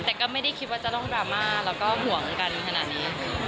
แต่ก็ไม่ได้คิดว่าจะลองดราม่าแบบนี้แล้วก็ห่วงกันถนนางี้